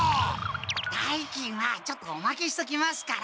代金はちょっとおまけしときますから。